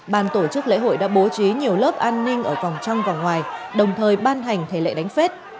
ban tổ chức lễ hội đã bố trí nhiều lớp an ninh ở vòng trong và ngoài đồng thời ban hành thể lệ đánh phết